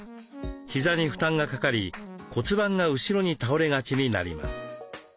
膝に負担がかかり骨盤が後ろに倒れがちになります。